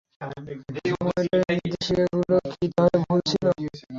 মনিটরের নির্দেশিকাগুলো কি তাহলে ভুল ছিল?